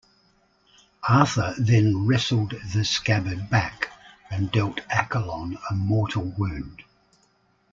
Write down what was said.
Arthur then wrestled the scabbard back and dealt Accolon a mortal wound.